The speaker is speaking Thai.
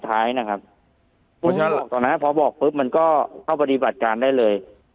ถ้าบอกตอนนั้นพอบอกมันก็เข้าบริบัตรการได้เลย